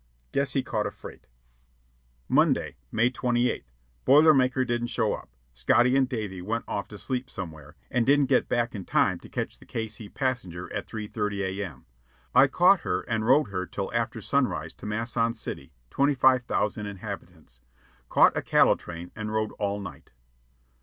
Guess he caught a freight. "Monday, May 28th. Boiler Maker didn't show up. Scotty and Davy went off to sleep somewhere, and didn't get back in time to catch the K.C. passenger at 3.30 A.M. I caught her and rode her till after sunrise to Masson City, 25,000 inhabitants. Caught a cattle train and rode all night.